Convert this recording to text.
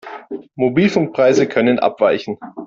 Mobilfunkpreise können abweichen.